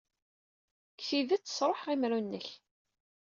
Deg tidet, sṛuḥeɣ imru-nnek.